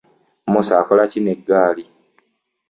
Musa akola ki n'eggaali?